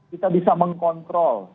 kita bisa mengkontrol